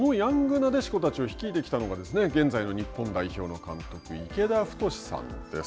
なでしこたちを率いてきたのが現在の日本代表の監督池田太さんです。